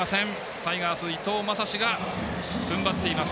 タイガース、伊藤将司がふんばっています。